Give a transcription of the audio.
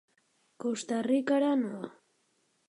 Costa Ricara noa.